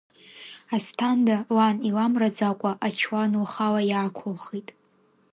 Асҭанда, лан иламраӡакәа, ачуан лхала иаақәылхит.